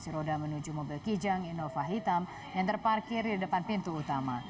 roda menuju mobil kijang innova hitam yang terparkir di depan pintu utama